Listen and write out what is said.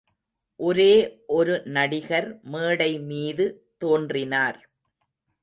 ஒரே ஒரு நடிகர் மேடை மீது தோன்றினார்.